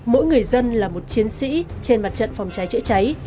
mỗi người dân là một chiến sĩ trên mặt trận phòng cháy chữa cháy